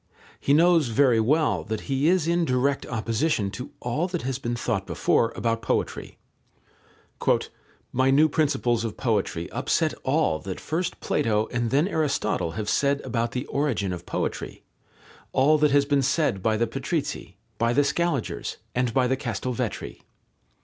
He knows very well that he is in direct opposition to all that has been thought before about poetry. "My new principles of poetry upset all that first Plato and then Aristotle have said about the origin of poetry, all that has been said by the Patrizzi, by the Scaligers, and by the Castelvetri.